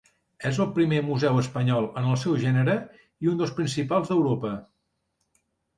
És el primer museu espanyol en el seu gènere i un dels principals d'Europa.